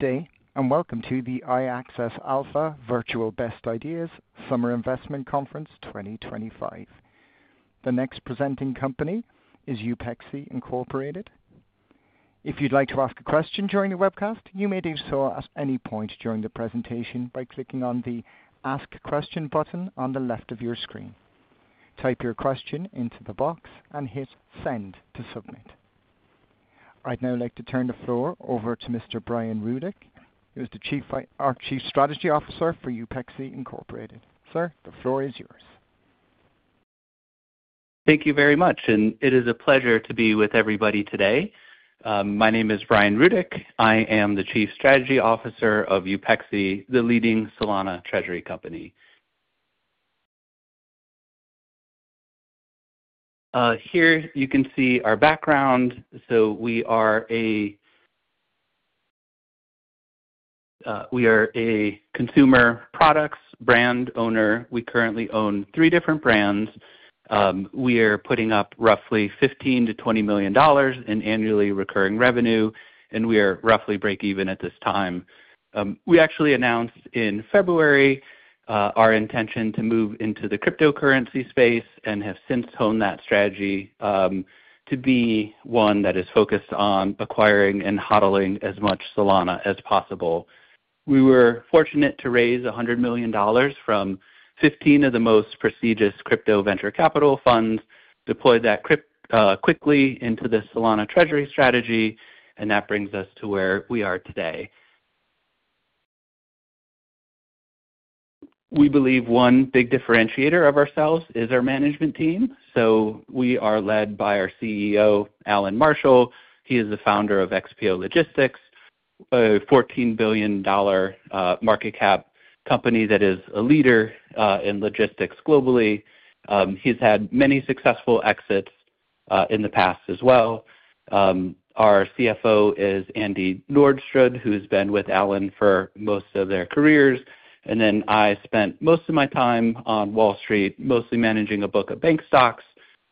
Good day, and welcome to the iAccess Alpha Virtual Best Ideas Summer Investment Conference 2025. The next presenting company is Upexi, Inc. If you'd like to ask a question during the webcast, you may do so at any point during the presentation by clicking on the Ask Question button on the left of your screen. Type your question into the box and hit Send to submit. Right now, I'd like to turn the floor over to Mr. Brian Rudick. He was the Chief Strategy Officer for Upexi, Inc. Sir, the floor is yours. Thank you very much, and it is a pleasure to be with everybody today. My name is Brian Rudick. I am the Chief Strategy Officer of Upexi, the leading Solana treasury company. Here you can see our background. We are a consumer products brand owner. We currently own three different brands. We are putting up roughly $15 million-$20 million in annually recurring revenue, and we are roughly break-even at this time. We actually announced in February our intention to move into the cryptocurrency space and have since honed that strategy to be one that is focused on acquiring and hoddling as much Solana as possible. We were fortunate to raise $100 million from 15 of the most prestigious crypto venture capital funds, deployed that quickly into the Solana treasury strategy, and that brings us to where we are today. We believe one big differentiator of ourselves is our management team. We are led by our CEO, Allan Marshall. He is the founder of XPO Logistics, a $14 billion market cap company that is a leader in logistics globally. He's had many successful exits in the past as well. Our CFO is Andrew Nordstrud, who has been with Allan for most of their careers. I spent most of my time on Wall Street, mostly managing a book of bank stocks,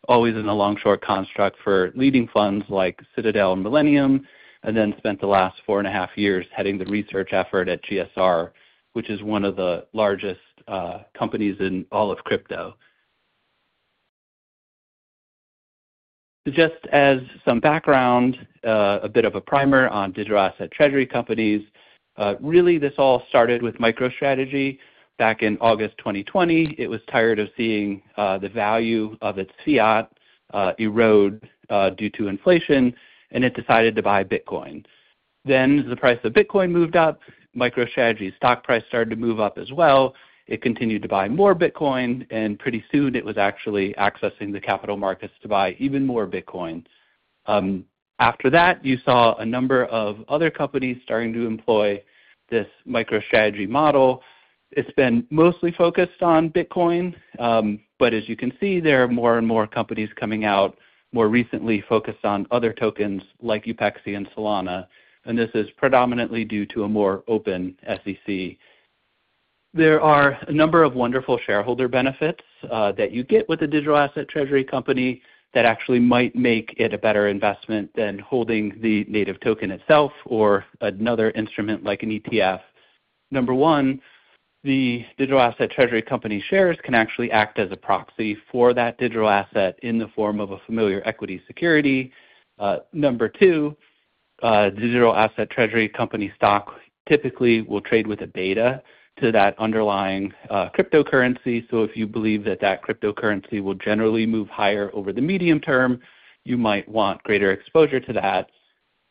always in the long-short construct for leading funds like Citadel and Millennium, and then spent the last four and a half years heading the research effort at GSR, which is one of the largest companies in all of crypto. Just as some background, a bit of a primer on digital asset treasury companies. Really, this all started with MicroStrategy back in August 2020. It was tired of seeing the value of its Fiat erode due to inflation, and it decided to buy Bitcoin. The price of Bitcoin moved up. MicroStrategy's stock price started to move up as well. It continued to buy more Bitcoin, and pretty soon it was actually accessing the capital markets to buy even more Bitcoin. After that, you saw a number of other companies starting to employ this MicroStrategy model. It has been mostly focused on Bitcoin, but as you can see, there are more and more companies coming out more recently focused on other tokens like Upexi and Solana, and this is predominantly due to a more open SEC. There are a number of wonderful shareholder benefits that you get with a digital asset treasury company that actually might make it a better investment than holding the native token itself or another instrument like an ETF. Number one, the digital asset treasury company shares can actually act as a proxy for that digital asset in the form of a familiar equity security. Number two, digital asset treasury company stock typically will trade with a beta to that underlying cryptocurrency. If you believe that that cryptocurrency will generally move higher over the medium term, you might want greater exposure to that.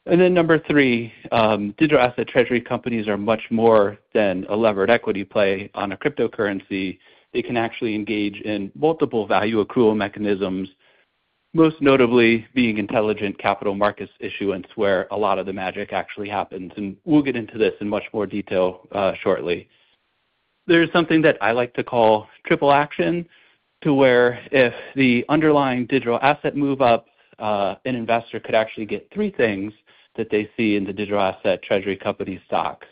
Number three, digital asset treasury companies are much more than a levered equity play on a cryptocurrency. They can actually engage in multiple value accrual mechanisms, most notably being intelligent capital markets issuance where a lot of the magic actually happens. We will get into this in much more detail shortly. There's something that I like to call triple action, to where if the underlying digital asset move up, an investor could actually get three things that they see in the digital asset treasury company stock.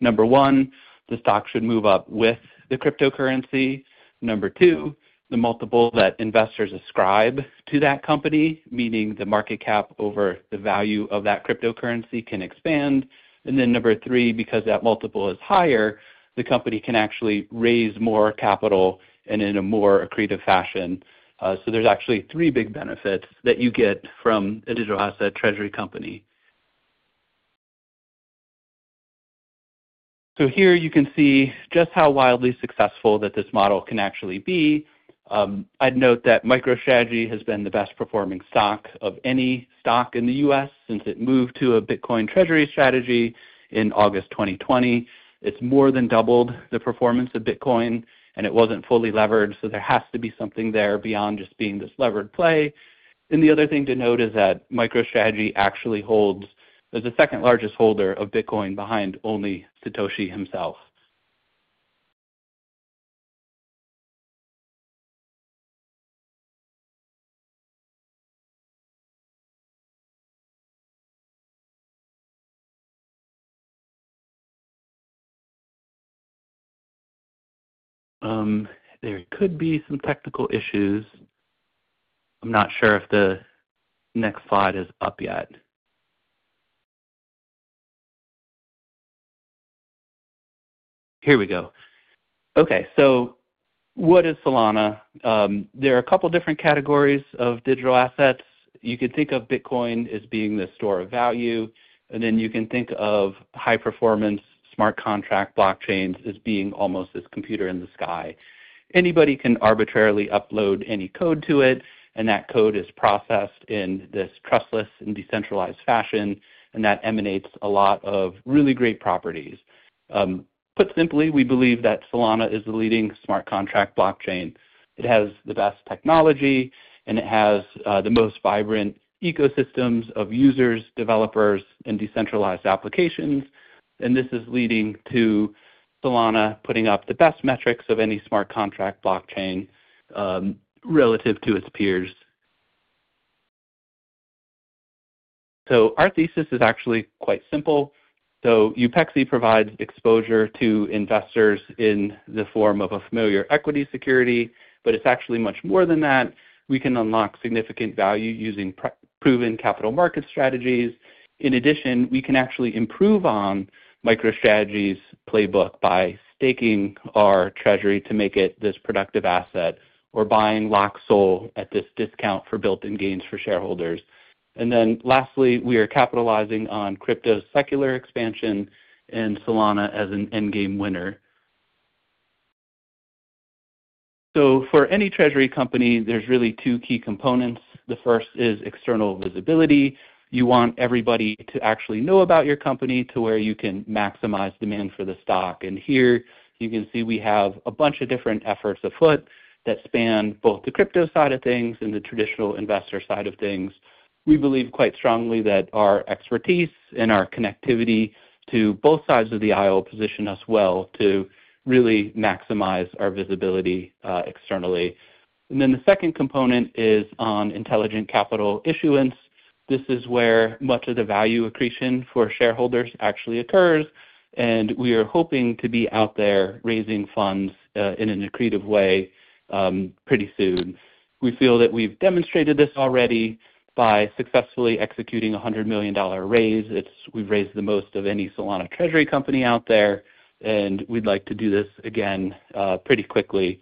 Number one, the stock should move up with the cryptocurrency. Number two, the multiple that investors ascribe to that company, meaning the market cap over the value of that cryptocurrency, can expand. Number three, because that multiple is higher, the company can actually raise more capital and in a more accretive fashion. There's actually three big benefits that you get from a digital asset treasury company. Here you can see just how wildly successful that this model can actually be. I'd note that MicroStrategy has been the best performing stock of any stock in the U.S. since it moved to a Bitcoin treasury strategy in August 2020. It's more than doubled the performance of Bitcoin, and it wasn't fully levered, so there has to be something there beyond just being this levered play. The other thing to note is that MicroStrategy actually holds as the second largest holder of Bitcoin behind only Satoshi himself. There could be some technical issues. I'm not sure if the next slide is up yet. Here we go. Okay, so what is Solana? There are a couple of different categories of digital assets. You can think of Bitcoin as being the store of value, and then you can think of high-performance smart contract blockchains as being almost this computer in the sky. Anybody can arbitrarily upload any code to it, and that code is processed in this trustless and decentralized fashion, and that emanates a lot of really great properties. Put simply, we believe that Solana is the leading smart contract blockchain. It has the best technology, and it has the most vibrant ecosystems of users, developers, and decentralized applications. This is leading to Solana putting up the best metrics of any smart contract blockchain relative to its peers. Our thesis is actually quite simple. Upexi provides exposure to investors in the form of a familiar equity security, but it's actually much more than that. We can unlock significant value using proven capital market strategies. In addition, we can actually improve on MicroStrategy's playbook by staking our treasury to make it this productive asset or buying Lock SOL at this discount for built-in gains for shareholders. Lastly, we are capitalizing on crypto's secular expansion and Solana as an endgame winner. For any treasury company, there are really two key components. The first is external visibility. You want everybody to actually know about your company to where you can maximize demand for the stock. Here you can see we have a bunch of different efforts afoot that span both the crypto side of things and the traditional investor side of things. We believe quite strongly that our expertise and our connectivity to both sides of the aisle position us well to really maximize our visibility externally. The second component is on intelligent capital issuance. This is where much of the value accretion for shareholders actually occurs, and we are hoping to be out there raising funds in an accretive way pretty soon. We feel that we've demonstrated this already by successfully executing a $100 million raise. We've raised the most of any Solana treasury company out there, and we'd like to do this again pretty quickly.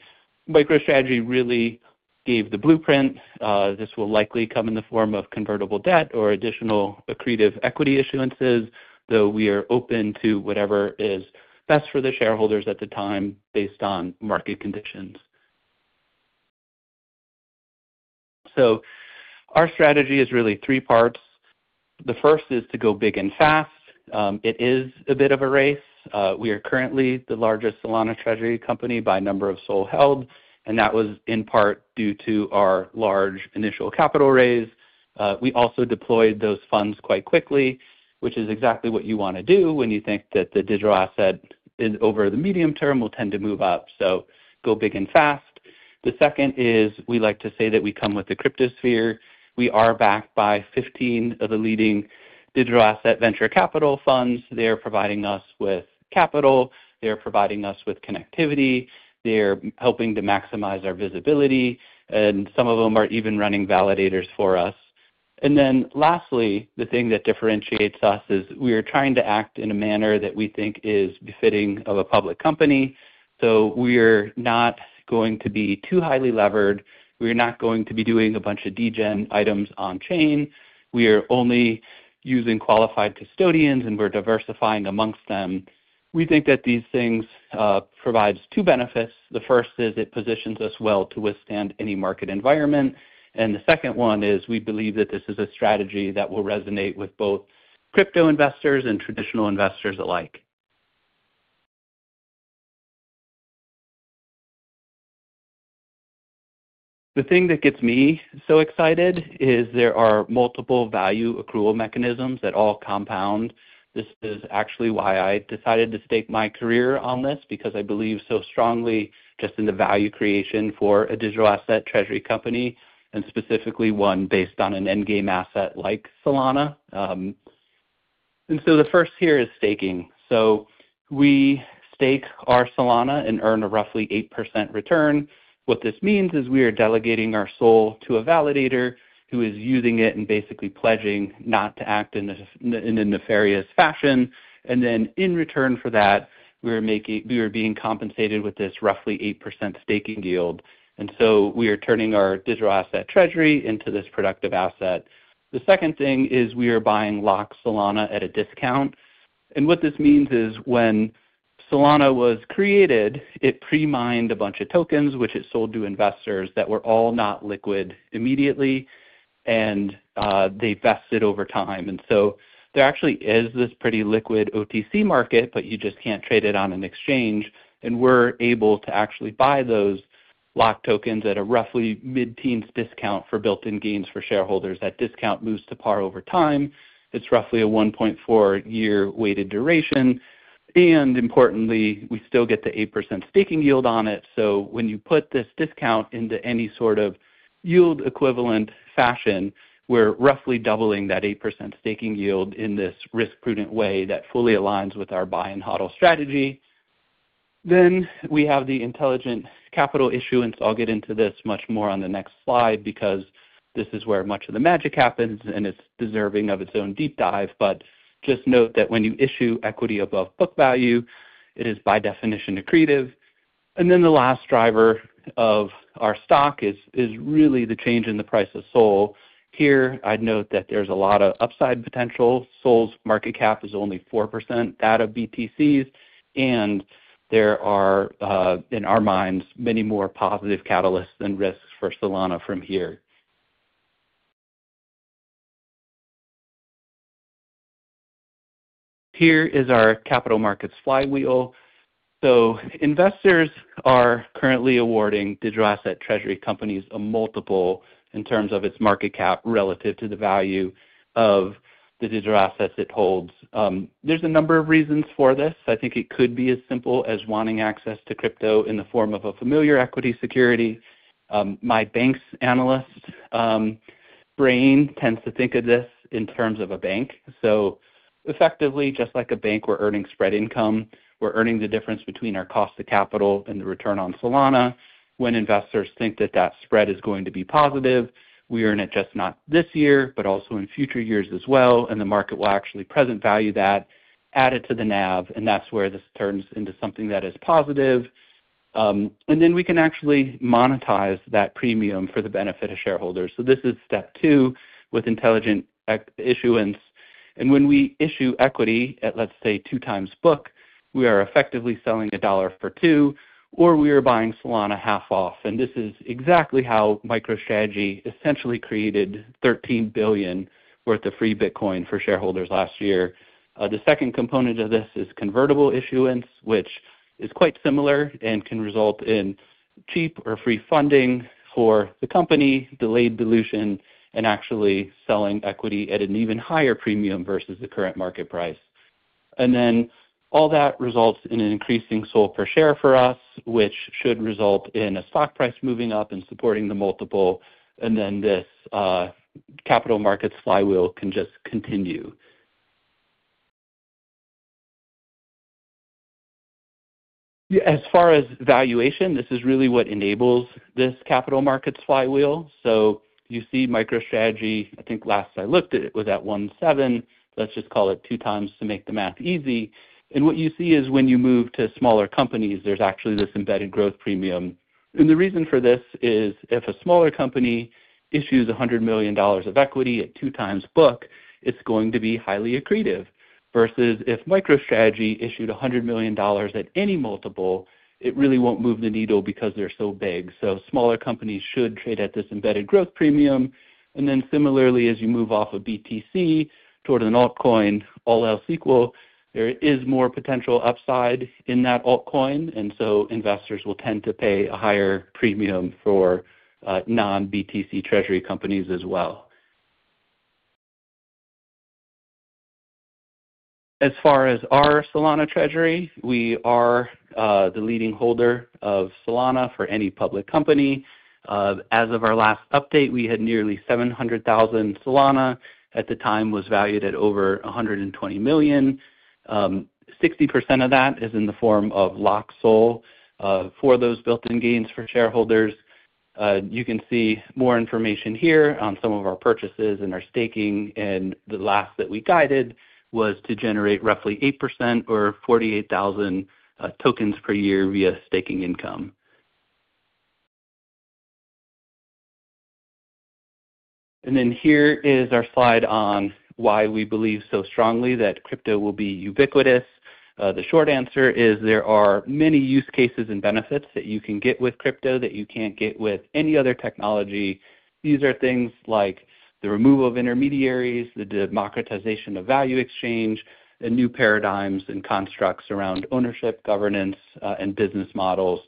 MicroStrategy really gave the blueprint. This will likely come in the form of convertible debt or additional accretive equity issuances, though we are open to whatever is best for the shareholders at the time based on market conditions. Our strategy is really three parts. The first is to go big and fast. It is a bit of a race. We are currently the largest Solana treasury company by number of SOL held, and that was in part due to our large initial capital raise. We also deployed those funds quite quickly, which is exactly what you want to do when you think that the digital asset over the medium term will tend to move up. Go big and fast. The second is we like to say that we come with the cryptosphere. We are backed by 15 of the leading digital asset venture capital funds. They are providing us with capital. They are providing us with connectivity. They are helping to maximize our visibility, and some of them are even running validators for us. Lastly, the thing that differentiates us is we are trying to act in a manner that we think is befitting of a public company. We are not going to be too highly levered. We are not going to be doing a bunch of degen items on chain. We are only using qualified custodians, and we are diversifying amongst them. We think that these things provide two benefits. The first is it positions us well to withstand any market environment. The second one is we believe that this is a strategy that will resonate with both crypto investors and traditional investors alike. The thing that gets me so excited is there are multiple value accrual mechanisms that all compound. This is actually why I decided to stake my career on this, because I believe so strongly just in the value creation for a digital asset treasury company, and specifically one based on an endgame asset like Solana. The first here is staking. We stake our Solana and earn a roughly 8% return. What this means is we are delegating our soul to a validator who is using it and basically pledging not to act in a nefarious fashion. In return for that, we are being compensated with this roughly 8% staking yield. We are turning our digital asset treasury into this productive asset. The second thing is we are buying Lock Solana at a discount. What this means is when Solana was created, it pre-mined a bunch of tokens, which it sold to investors that were all not liquid immediately, and they vested over time. There actually is this pretty liquid OTC market, but you just can't trade it on an exchange. We're able to actually buy those Lock tokens at a roughly mid-teens discount for built-in gains for shareholders. That discount moves to par over time. It's roughly a 1.4-year weighted duration. Importantly, we still get the 8% staking yield on it. When you put this discount into any sort of yield equivalent fashion, we're roughly doubling that 8% staking yield in this risk-prudent way that fully aligns with our buy and hoddle strategy. We have the intelligent capital issuance. I'll get into this much more on the next slide because this is where much of the magic happens, and it's deserving of its own deep dive. Just note that when you issue equity above book value, it is by definition accretive. The last driver of our stock is really the change in the price of SOL. Here, I'd note that there's a lot of upside potential. SOL's market cap is only 4% that of BTC's, and there are, in our minds, many more positive catalysts than risks for Solana from here. Here is our capital markets flywheel. Investors are currently awarding digital asset treasury companies a multiple in terms of its market cap relative to the value of the digital assets it holds. There's a number of reasons for this. I think it could be as simple as wanting access to crypto in the form of a familiar equity security. My bank's analyst brain tends to think of this in terms of a bank. Effectively, just like a bank, we're earning spread income. We're earning the difference between our cost of capital and the return on Solana. When investors think that that spread is going to be positive, we earn it not just this year, but also in future years as well, and the market will actually present value that added to the NAV, and that is where this turns into something that is positive. We can actually monetize that premium for the benefit of shareholders. This is step two with intelligent issuance. When we issue equity at, let's say, two times book, we are effectively selling a dollar for two, or we are buying Solana half off. This is exactly how MicroStrategy essentially created $13 billion worth of free Bitcoin for shareholders last year. The second component of this is convertible issuance, which is quite similar and can result in cheap or free funding for the company, delayed dilution, and actually selling equity at an even higher premium versus the current market price. All that results in an increasing soul per share for us, which should result in a stock price moving up and supporting the multiple. This capital markets flywheel can just continue. As far as valuation, this is really what enables this capital markets flywheel. You see MicroStrategy, I think last I looked at it was at one seven. Let's just call it two times to make the math easy. What you see is when you move to smaller companies, there's actually this embedded growth premium. The reason for this is if a smaller company issues $100 million of equity at two times book, it's going to be highly accretive. Versus if MicroStrategy issued $100 million at any multiple, it really won't move the needle because they're so big. Smaller companies should trade at this embedded growth premium. Similarly, as you move off of BTC toward an altcoin, all else equal, there is more potential upside in that altcoin. Investors will tend to pay a higher premium for non-BTC treasury companies as well. As far as our Solana treasury, we are the leading holder of Solana for any public company. As of our last update, we had nearly 700,000 Solana. At the time, it was valued at over $120 million. 60% of that is in the form of Lock SOL for those built-in gains for shareholders. You can see more information here on some of our purchases and our staking. The last that we guided was to generate roughly 8% or 48,000 tokens per year via staking income. Here is our slide on why we believe so strongly that crypto will be ubiquitous. The short answer is there are many use cases and benefits that you can get with crypto that you cannot get with any other technology. These are things like the removal of intermediaries, the democratization of value exchange, and new paradigms and constructs around ownership, governance, and business models.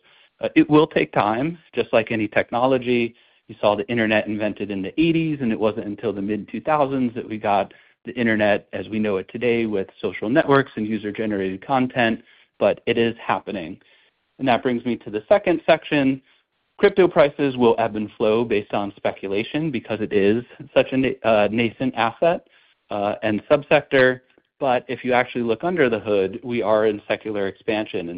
It will take time, just like any technology. You saw the internet invented in the 1980s, and it was not until the mid-2000s that we got the internet as we know it today with social networks and user-generated content, but it is happening. That brings me to the second section. Crypto prices will ebb and flow based on speculation because it is such a nascent asset and subsector. If you actually look under the hood, we are in secular expansion.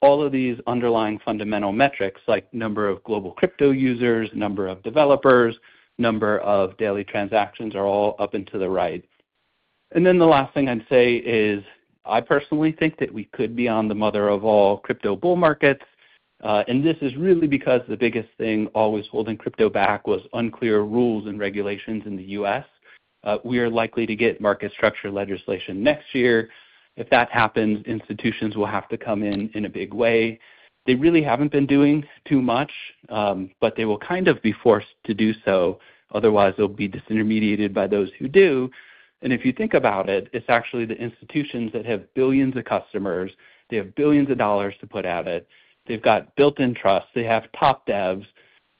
All of these underlying fundamental metrics, like number of global crypto users, number of developers, number of daily transactions, are all up and to the right. The last thing I would say is I personally think that we could be on the mother of all crypto bull markets. This is really because the biggest thing always holding crypto back was unclear rules and regulations in the U.S. We are likely to get market structure legislation next year. If that happens, institutions will have to come in in a big way. They really haven't been doing too much, but they will kind of be forced to do so. Otherwise, they'll be disintermediated by those who do. If you think about it, it's actually the institutions that have billions of customers. They have billions of dollars to put at it. They've got built-in trust. They have top devs.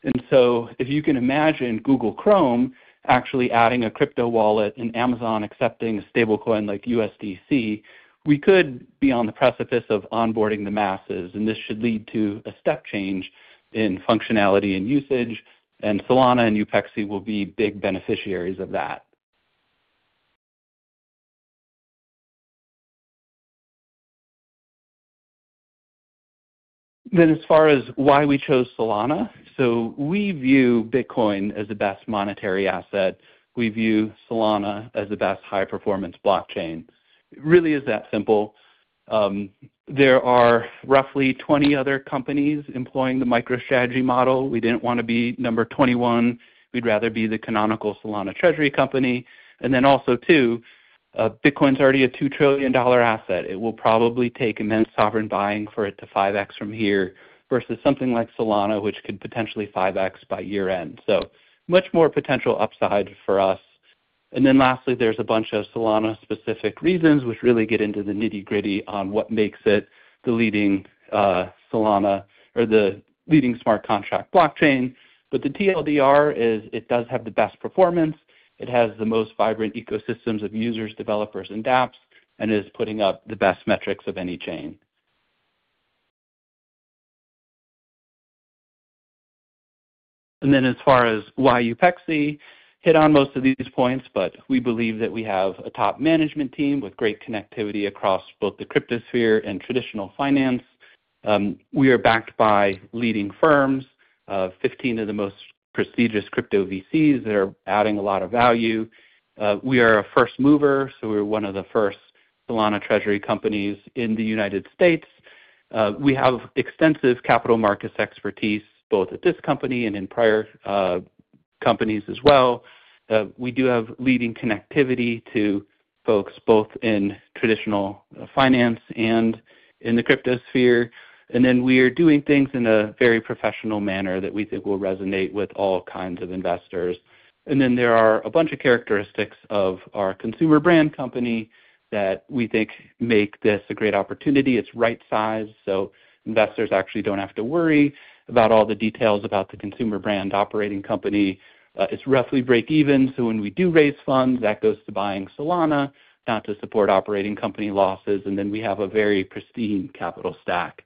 If you can imagine Google Chrome actually adding a crypto wallet and Amazon accepting a stablecoin like USDC, we could be on the precipice of onboarding the masses. This should lead to a step change in functionality and usage. Solana and Upexi will be big beneficiaries of that. As far as why we chose Solana, we view Bitcoin as the best monetary asset. We view Solana as the best high-performance blockchain. It really is that simple. There are roughly 20 other companies employing the MicroStrategy model. We did not want to be number 21. We would rather be the canonical Solana treasury company. Also, Bitcoin is already a $2 trillion asset. It will probably take immense sovereign buying for it to 5x from here versus something like Solana, which could potentially 5x by year-end. Much more potential upside for us. Lastly, there is a bunch of Solana-specific reasons which really get into the nitty-gritty on what makes it the leading Solana or the leading smart contract blockchain. The TL;DR is it does have the best performance. It has the most vibrant ecosystems of users, developers, and dApps, and is putting up the best metrics of any chain. As far as why Upexi, hit on most of these points, but we believe that we have a top management team with great connectivity across both the cryptosphere and traditional finance. We are backed by leading firms, 15 of the most prestigious crypto VCs that are adding a lot of value. We are a first mover, so we are one of the first Solana treasury companies in the United States. We have extensive capital markets expertise both at this company and in prior companies as well. We do have leading connectivity to folks both in traditional finance and in the cryptosphere. We are doing things in a very professional manner that we think will resonate with all kinds of investors. There are a bunch of characteristics of our consumer brand company that we think make this a great opportunity. It is right sized. Investors actually do not have to worry about all the details about the consumer brand operating company. It is roughly break-even. When we do raise funds, that goes to buying Solana, not to support operating company losses. We have a very pristine capital stack.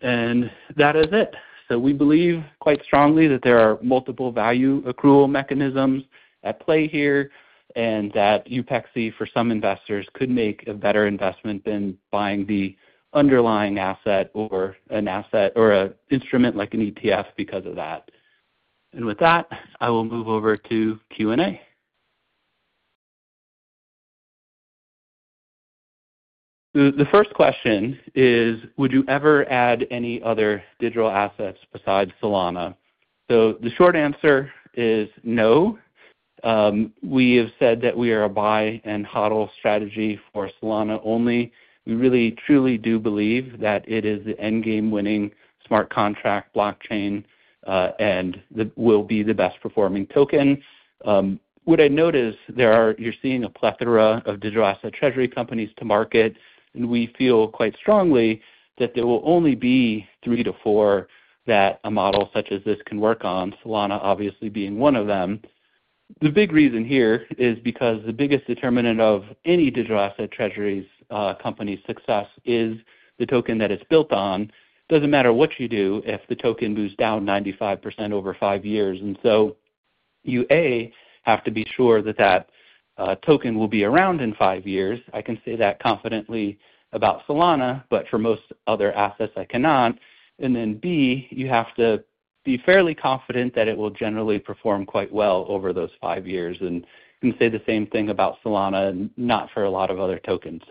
That is it. We believe quite strongly that there are multiple value accrual mechanisms at play here and that Upexi, for some investors, could make a better investment than buying the underlying asset or an asset or an instrument like an ETF because of that. With that, I will move over to Q&A. The first question is, would you ever add any other digital assets besides Solana? The short answer is no. We have said that we are a buy and hoddle strategy for Solana only. We really, truly do believe that it is the endgame-winning smart contract blockchain and will be the best performing token. What I notice is there are, you're seeing a plethora of digital asset treasury companies to market. We feel quite strongly that there will only be three to four that a model such as this can work on, Solana obviously being one of them. The big reason here is because the biggest determinant of any digital asset treasuries company's success is the token that it's built on. It doesn't matter what you do if the token moves down 95% over five years. You, A, have to be sure that that token will be around in five years. I can say that confidently about Solana, but for most other assets, I cannot. B, you have to be fairly confident that it will generally perform quite well over those five years. You can say the same thing about Solana, not for a lot of other tokens.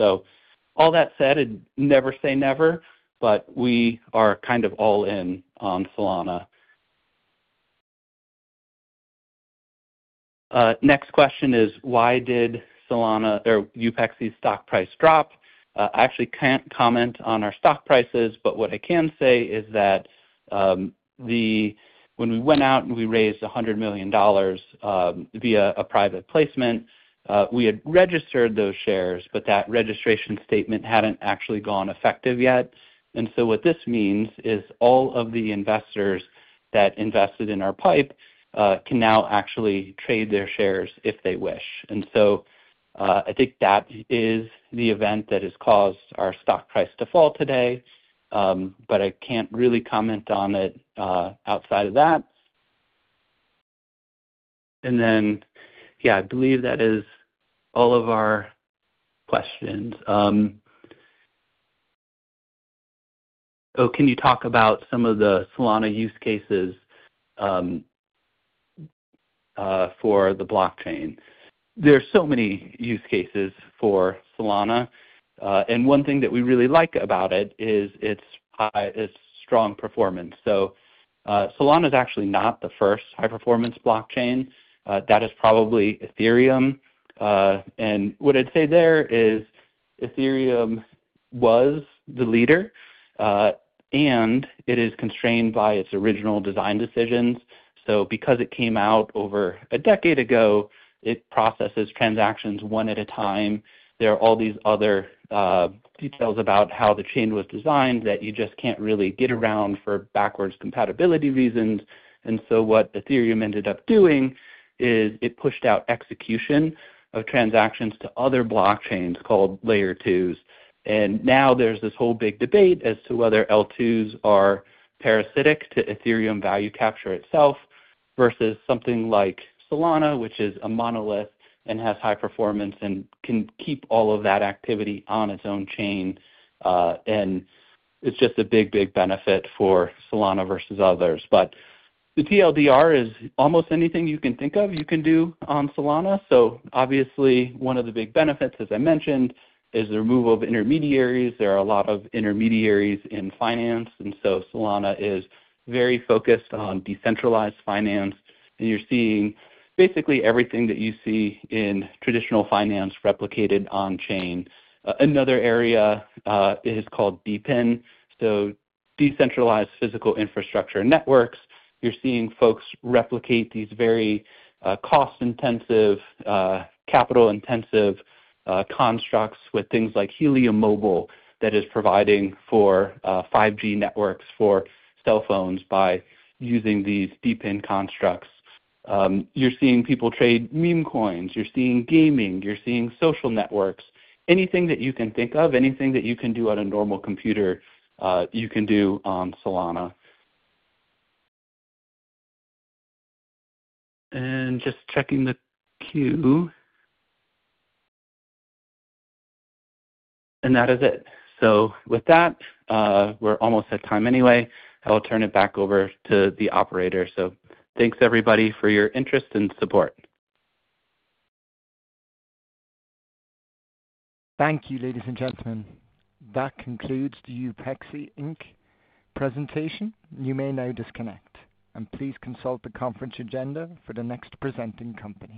All that said, never say never, but we are kind of all in on Solana. Next question is, why did Solana or Upexi's stock price drop? I actually can't comment on our stock prices, but what I can say is that when we went out and we raised $100 million via a private placement, we had registered those shares, but that registration statement hadn't actually gone effective yet. What this means is all of the investors that invested in our pipe can now actually trade their shares if they wish. I think that is the event that has caused our stock price to fall today, but I can't really comment on it outside of that. I believe that is all of our questions. Oh, can you talk about some of the Solana use cases for the blockchain? There are so many use cases for Solana. One thing that we really like about it is its strong performance. Solana is actually not the first high-performance blockchain. That is probably Ethereum. What I'd say there is Ethereum was the leader, and it is constrained by its original design decisions. Because it came out over a decade ago, it processes transactions one at a time. There are all these other details about how the chain was designed that you just can't really get around for backwards compatibility reasons. What Ethereum ended up doing is it pushed out execution of transactions to other blockchains called Layer 2s. Now there's this whole big debate as to whether L2s are parasitic to Ethereum value capture itself versus something like Solana, which is a monolith and has high performance and can keep all of that activity on its own chain. It is just a big, big benefit for Solana versus others. The TL;DR is almost anything you can think of, you can do on Solana. Obviously, one of the big benefits, as I mentioned, is the removal of intermediaries. There are a lot of intermediaries in finance. Solana is very focused on decentralized finance. You are seeing basically everything that you see in traditional finance replicated on-chain. Another area is called DePIN, so decentralized physical infrastructure networks. You're seeing folks replicate these very cost-intensive, capital-intensive constructs with things like Helium Mobile that is providing for 5G networks for cell phones by using these DePIN constructs. You're seeing people trade meme coins. You're seeing gaming. You're seeing social networks. Anything that you can think of, anything that you can do on a normal computer, you can do on Solana. And just checking the queue. That is it. With that, we're almost at time anyway. I'll turn it back over to the operator. Thanks, everybody, for your interest and support. Thank you, ladies and gentlemen. That concludes the Upexi Inc presentation. You may now disconnect. Please consult the conference agenda for the next presenting company.